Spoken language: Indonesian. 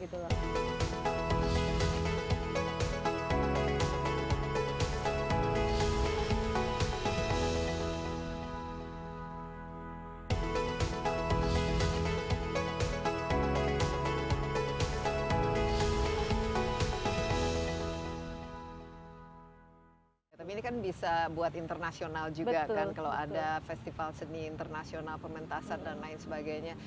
tapi ini kan bisa buat internasional juga kan kalau ada festival seni internasional pementasan dan lain sebagainya